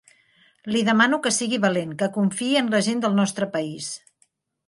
Li demano que sigui valent, que confiï en la gent del nostre país.